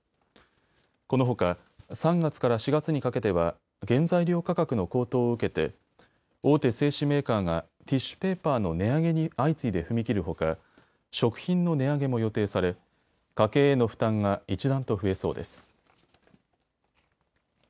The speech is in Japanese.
このほか３月から４月にかけては原材料価格の高騰を受けて大手製紙メーカーがティッシュペーパーの値上げに相次いで踏み切るほか食品の値上げも予定され家計への負担が一段と増えそうです。